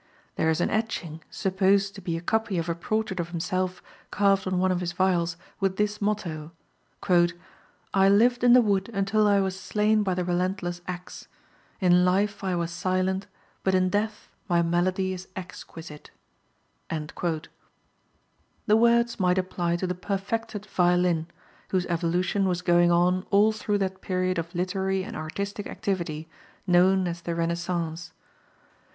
There is an etching, supposed to be a copy of a portrait of himself carved on one of his viols with this motto: "I lived in the wood until I was slain by the relentless axe. In life I was silent, but in death my melody is exquisite." The words might apply to the perfected violin, whose evolution was going on all through that period of literary and artistic activity known as the Renaissance.